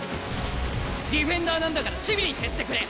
ディフェンダーなんだから守備に徹してくれ！